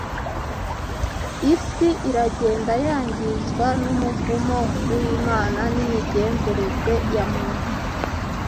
Isi iragenda yangizwa n’umuvumo w’Imana nimigenzereze yamuntu